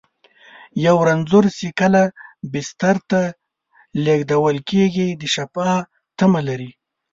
یو رنځور چې کله بستر ته لېږدول کېږي، د شفا تمه لري.